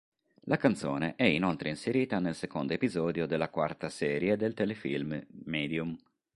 La canzone è inoltre inserita nel secondo episodio della quarta serie del telefilm "Medium".